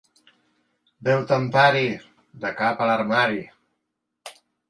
Déu t'empari... —De cap a l'armari.